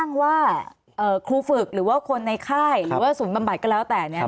ว่าครูฝึกหรือว่าคนในค่ายหรือว่าศูนย์บำบัดก็แล้วแต่